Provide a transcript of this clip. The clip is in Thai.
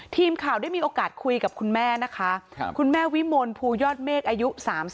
ทีมข่าวได้มีโอกาสคุยกับคุณแม่นะคะคุณแม่วิมลภูยอดเมฆอายุ๓๒